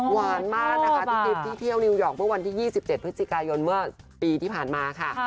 หวานมากนะคะพี่จิ๊บที่เที่ยวนิวยอร์กเมื่อวันที่๒๗พฤศจิกายนเมื่อปีที่ผ่านมาค่ะ